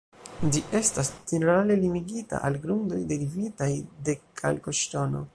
Ĝi estas ĝenerale limigita al grundoj derivitaj de kalkoŝtono.